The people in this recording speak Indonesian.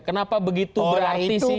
kenapa begitu berarti sih